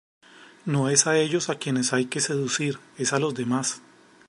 No es a ellos a quienes hay que seducir, es a los demás.